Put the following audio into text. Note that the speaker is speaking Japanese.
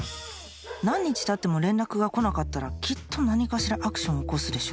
何日経っても連絡が来なかったらきっと何かしらアクションを起こすでしょ？